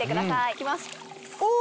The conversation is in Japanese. いきますお！